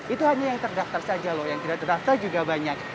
itu hanya yang terdaftar saja loh yang tidak terdaftar juga banyak